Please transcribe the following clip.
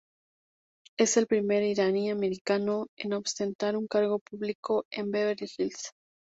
Es el primer iraní-Americano en ostentar un cargo público en Beverly Hills.